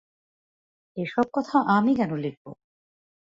এ-সব কথা আমি কেন লিখব?